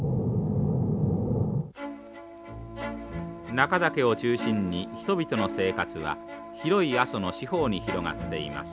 中岳を中心に人々の生活は広い阿蘇の四方に広がっています。